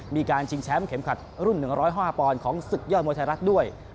มีการชิงแชมป์เข็มขัดรุ่น๑๐๕ปอนด์ของศึกยอดมวยไทยรัฐด้วย